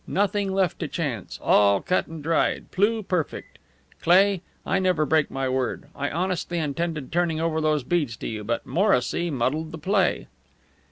Nothing left to chance; all cut and dried; pluperfect. Cleigh, I never break my word. I honestly intended turning over those beads to you, but Morrissy muddled the play."